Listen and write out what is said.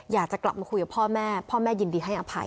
อยากจะกลับมาคุยกับพ่อแม่พ่อแม่ยินดีให้อภัย